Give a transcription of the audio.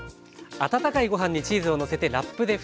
温かいご飯にチーズをのせてラップでふた。